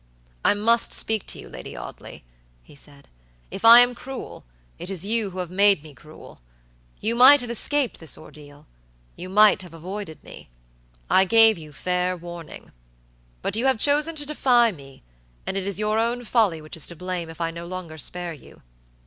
"I must speak to you, Lady Audley," he said. "If I am cruel, it is you who have made me cruel. You might have escaped this ordeal. You might have avoided me. I gave you fair warning. But you have chosen to defy me, and it is your own folly which is to blame if I no longer spare you.